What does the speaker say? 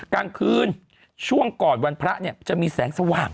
กลางคืนช่วงก่อนวันพระเนี่ยจะมีแสงสว่าง